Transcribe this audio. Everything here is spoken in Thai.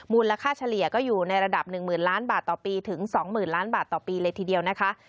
มูลค่าเฉลี่ยก็อยู่ในระดับ๑๐๐๐ล้านบาทต่อปีถึง๒๐๐๐ล้านบาทต่อปีเลยทีเดียวนะคะ